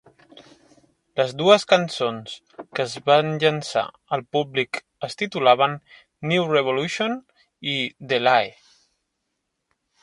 Les dues cançons que es van llançar al públic es titulaven "New Revolution" i "The Lie".